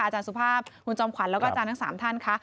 สุภาพคุณจอมขวัญแล้วก็อาจารย์ทั้ง๓ท่านค่ะ